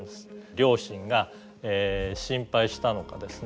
両親が心配したのかですね